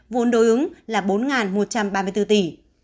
vốn đối ứng là bốn một trăm ba mươi bốn tỷ